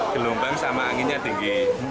gelombang sama anginnya tinggi